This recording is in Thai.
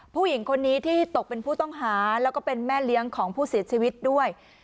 ผู้หญิงคนนี้ที่ตกเป็นผู้ต้องหาแล้วก็เป็นแม่เลี้ยงของผู้เสียชีวิตด้วย